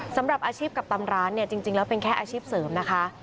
สำหรับอาชีพกับตำร้านเนี่ยจริงแล้วเป็นแค่อาชีพเสริมนะคะ